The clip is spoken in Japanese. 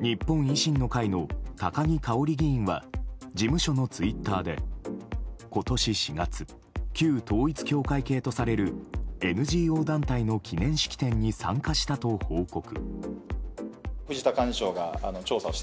日本維新の会の高木佳保里議員は事務所のツイッターで今年４月、旧統一教会系とされるＮＧＯ団体の記念式典に参加したと報告。